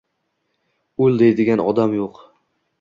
O‘l deydigan odam yo‘q